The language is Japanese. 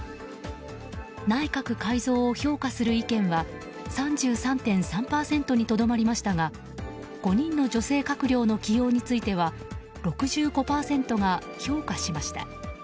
内閣改造を評価する意見は３３．３％にとどまりましたが５人の女性閣僚の起用については６５％が評価しました。